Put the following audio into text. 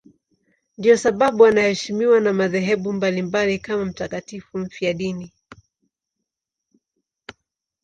Ndiyo sababu anaheshimiwa na madhehebu mbalimbali kama mtakatifu mfiadini.